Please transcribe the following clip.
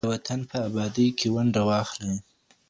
د وطن په ابادۍ کي ونډه واخلئ.